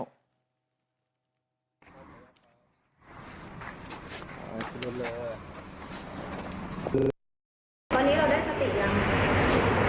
ตอนนี้เราได้สติหรือยังได้พฤติรู้เรื่องยังตอนนี้